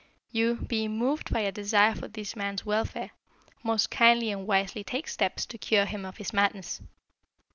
You, being moved by a desire for this man's welfare, most kindly and wisely take steps to cure him of his madness.